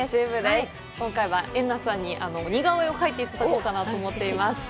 今回はエンナさんに似顔絵を描いていただこうかなと思います。